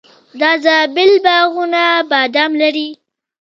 د زابل باغونه بادام لري.